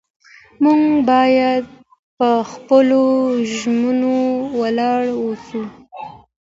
موږ باید په خپلو ژمنو ولاړ واوسو